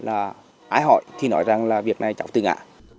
ái hỏi thì nói rằng việc này cháu tự ngạ